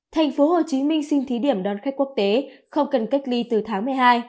thành phố hồ chí minh xin thí điểm đón khách quốc tế không cần cách ly từ tháng một mươi hai